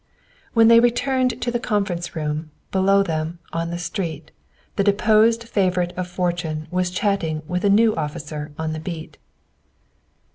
When they returned to the conference room, below them, on the street, the deposed favorite of fortune was chatting with a new officer on the beat.